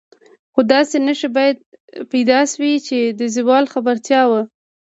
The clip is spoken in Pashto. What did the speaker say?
خو داسې نښې پیدا شوې چې د زوال خبرتیا وه.